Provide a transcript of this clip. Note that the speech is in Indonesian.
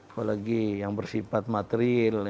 apalagi yang bersifat materil